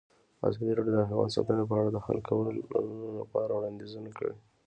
ازادي راډیو د حیوان ساتنه په اړه د حل کولو لپاره وړاندیزونه کړي.